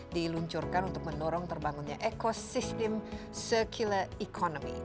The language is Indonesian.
diluncurkan untuk mendorong terbangunnya ekosistem circular economy